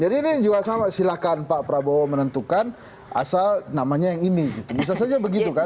jadi ini juga sama silahkan pak prabowo menentukan asal namanya yang ini gitu bisa saja begitu kan